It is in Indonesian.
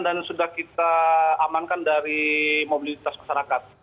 dan sudah kita amankan dari mobilitas masyarakat